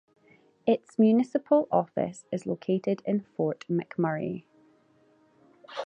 Its municipal office is located in Fort McMurray.